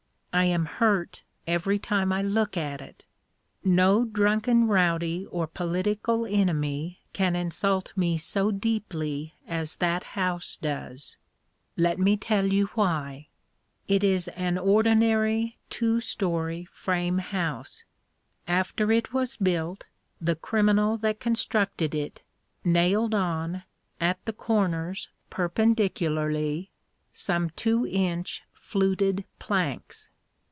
I am hurt every time I look at it. No drunken rowdy or political enemy can insult me so deeply as that house does. Let me tell you why. It is an ordinary two storey frame house. After it was built, the criminal that constructed it nailed on, at the corners perpendicularly, some two inch fluted planks.